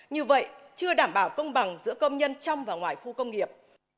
như vậy chưa đảm bảo công bằng giữa công nhân trong và ngoài khu công nghiệp